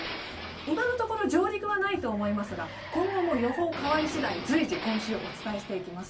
今のところ上陸はないと思いますが、今後も予報変わりしだい、随時、今週お伝えしていきます。